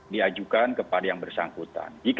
diajukan kepada yang bersangkutan